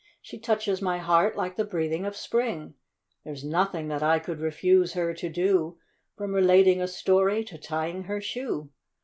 She touches my heart like the breathing of Spring ! There's nothing that I could refuse her to do, From relating a story to tying her shoe.